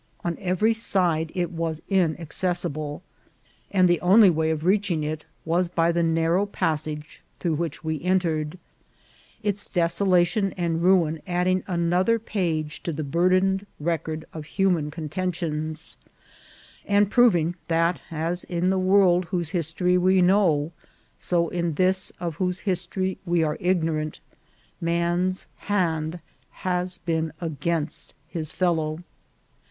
On every side it was inaccessible, and the only way of reaching it was by the narrow passage through which we entered, its desolation and ruin add ing another page to the burdened record of human con tentions, and proving that, as in the world whose his tory we know, so in this of whose history we are igno rant, man's hand has been against his fellow.